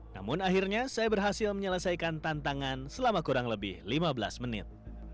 namun akhirnya saya berhasil menyelesaikan tantangan selama kurang lebih lima belas menit